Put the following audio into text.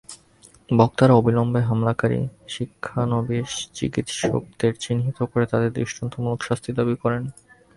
বক্তারা অবিলম্বে হামলাকারী শিক্ষানবিশ চিকিৎসকদের চিহ্নিত করে তাঁদের দৃষ্টান্তমূলক শাস্তি দাবি করেন।